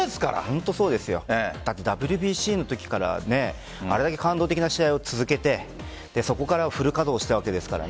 本当そうですよ。ＷＢＣのときからあれだけ感動的な試合を続けてそこからフル稼働していたわけですから。